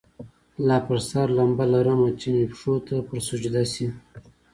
لا پر سر لمبه لرمه چي مي پښو ته پر سجده سي